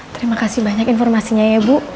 terima kasih banyak informasinya ya bu